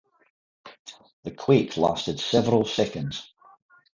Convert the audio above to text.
The quake lasted several seconds.